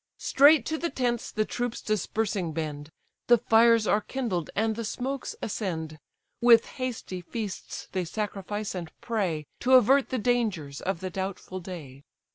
Straight to the tents the troops dispersing bend, The fires are kindled, and the smokes ascend; With hasty feasts they sacrifice, and pray, To avert the dangers of the doubtful day.